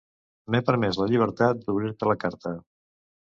M'he permès la llibertat d'obrir-te la carta.